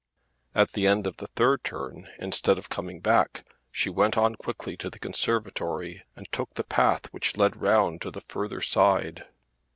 At the end of the third turn instead of coming back she went on quickly to the conservatory and took the path which led round to the further side.